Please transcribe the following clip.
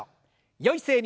よい姿勢に。